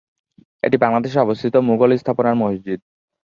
এটি বাংলাদেশে অবস্থিত মুঘল স্থাপনার মসজিদ।